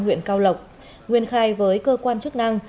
huyện cao lộc nguyên khai với cơ quan chức năng